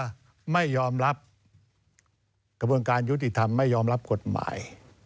ถ้าไม่ยอมรับกระบวนการยุติธรรมไม่ยอมรับกฎหมาย